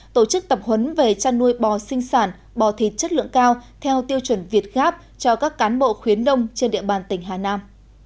tổ chức tập huấn về chăn nuôi bò sinh sản bò thịt chất lượng cao theo tiêu chuẩn việt gáp cho các cán bộ khuyến nông trên địa bàn tỉnh hà nam